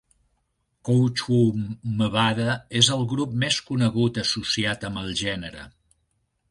Kouchouam Mbada és el grup més conegut associat amb el gènere.